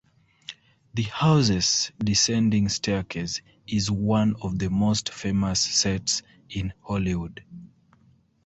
The house's descending staircase is one of the most famous sets in Hollywood.